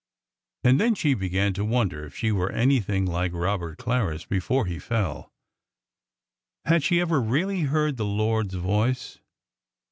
And then she began to wonder if she were anything like Robert Clarris before he fell. Had she ever really heard the Lord's voice?